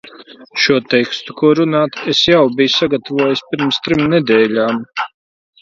Šo tekstu, ko runāt, es jau biju sagatavojis pirms trim nedēļām.